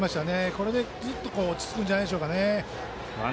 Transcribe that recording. これでぐっと落ち着くんではないでしょうか。